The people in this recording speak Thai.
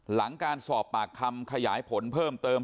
หลังการสอบปากคำขยายผลเพิ่มเติม